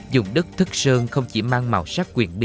dùng đất thất sơn không chỉ mang màu sắc quyền bí